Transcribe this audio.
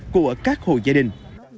của các hồ gia đình